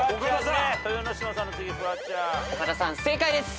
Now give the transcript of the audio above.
岡田さん正解です。